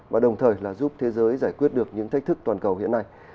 và đồng thời là giúp thế giới giải quyết được những thách thức toàn cầu hiện nay